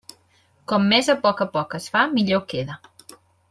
Com més a poc a poc es fa, millor queda.